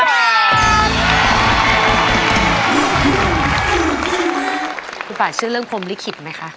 คุณป่าเชื่อเรื่องพรมลิขิตไหมคะ